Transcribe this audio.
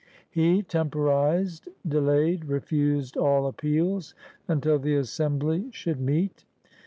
He temporized, delayed, refused all appeals until the Assembly should meet.